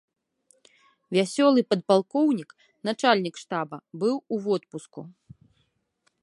Вясёлы падпалкоўнік, начальнік штаба, быў у водпуску.